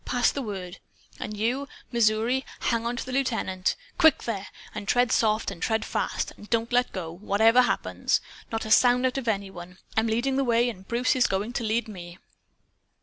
Pass the word. And you, Missouri, hang onto the Lieutenant! Quick, there! And tread soft and tread fast, and don't let go, whatever happens! Not a sound out of any one! I'm leading the way. And Bruce is going to lead me."